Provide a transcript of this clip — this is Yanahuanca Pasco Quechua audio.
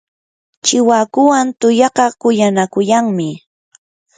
chiwakuwan tuyaqa kuyanakuyanmi.